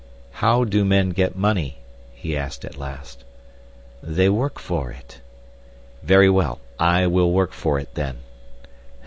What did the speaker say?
"How do men get money?" he asked at last. "They work for it." "Very well. I will work for it, then."